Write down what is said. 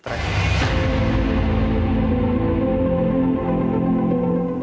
ketiga bekantan yang masih diperkirakan belum mencapai usia delapan bulan ini dirawat intensif dan diberi asupan nutrisi